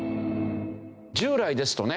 従来ですとね